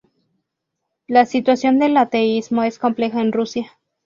La situación del ateísmo es compleja en Rusia.